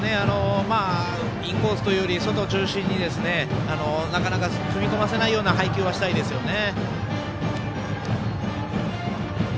インコースというより外中心に、なかなか踏み込ませないような配球はしたいですよね。